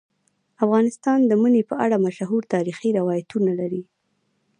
افغانستان د منی په اړه مشهور تاریخی روایتونه لري.